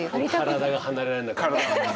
体が離れられなくなって。